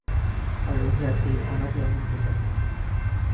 আর রহিয়াছে এই অনাদি অনন্ত জগৎ।